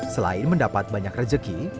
selain mendapat banyak rejeki